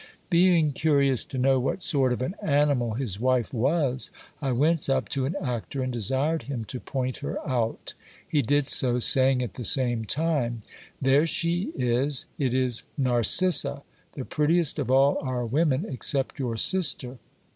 Being curious to know what sort of an animal his wife was, I went up to an actor and desired him to point her out. He did so, saying at the same time : There she is, it is Nar cissa ; the prettiest of all our women except your sister.